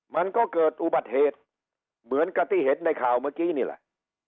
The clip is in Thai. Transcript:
มันก็เกิดอุบัติเหตุเหมือนกับที่เห็นในข่าวเมื่อกี้นี่แหละ